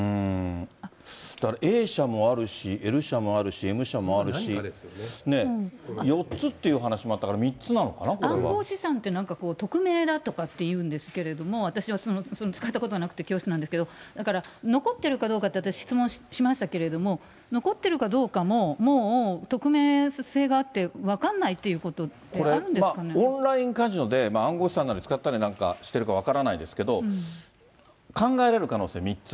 だからＡ社もあるし、Ｌ社もあるしＭ社もあるし、４つっていう話もあったけど、３つな暗号資産って、なんか匿名だとかっていうんですけれども、私は使ったことがなくて恐縮なんですけれども、だから、残ってるかどうかって、私、質問しましたけれども、残ってるかどうかももう匿名性があって分かんないっていうことっこれ、オンラインカジノで暗号資産なんかを使ったりしてるか分からないですけれども、考えられる可能性が３つ。